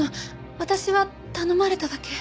私は頼まれただけ。